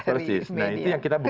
nah itu yang kita buktikan